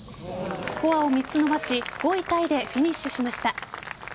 スコアを３つ伸ばし５位タイでフィニッシュしました。